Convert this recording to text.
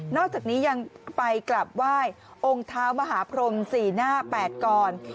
อกจากนี้ยังไปกลับไหว้องค์เท้ามหาพรม๔หน้า๘กร